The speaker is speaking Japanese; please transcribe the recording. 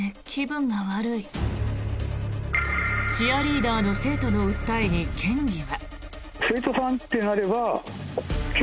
チアリーダーの生徒の訴えに県議は。